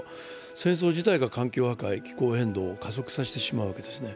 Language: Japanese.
戦争自体が環境破壊、気候変動を加速させてしまうわけですね。